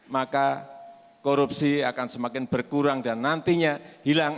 maka korupsi akan semakin berkurang dan nantinya hilang